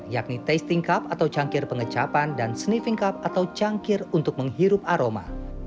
yakni tasting cup atau cangkir pengecapan dan sniffing cup atau cangkir untuk menghirup aroma